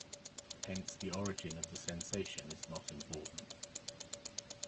Hence, the origin of the sensation is not important.